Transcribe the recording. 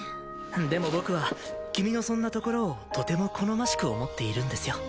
でも僕は君のそんなところをとても好ましく思っているんですよ。